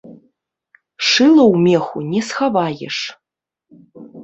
Шыла ў меху не схаваеш.